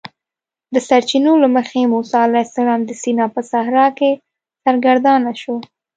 د سرچینو له مخې موسی علیه السلام د سینا په صحرا کې سرګردانه شو.